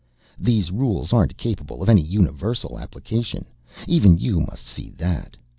These rules aren't capable of any universal application, even you must see that.